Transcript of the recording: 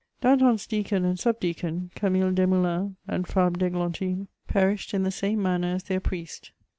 Danton's deacon and enib deacon, Camille Deamoulins and Fabre d'Eglantiae, perished in the same manner as their priest.